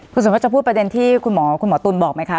คุณสมมติจะพูดประเด็นที่คุณหมอตุลบอกไหมครับ